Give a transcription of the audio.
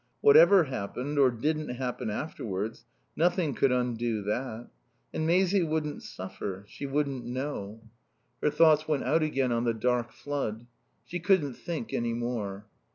Whatever happened, or didn't happen, afterwards, nothing could undo that. And Maisie wouldn't suffer. She wouldn't know. Her thoughts went out again on the dark flood. She couldn't think any more.